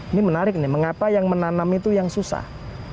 ini menarik nih mengapa yang menanam itu yang susah